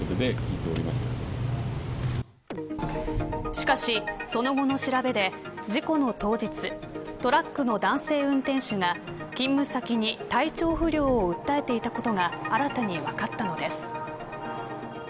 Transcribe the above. しかしその後の調べで事故の当日トラックの男性運転手が勤務先に体調不良を訴えていたことが新たに分かったのです。